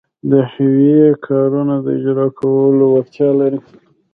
د حیوي کارونو د اجراکولو وړتیا لري.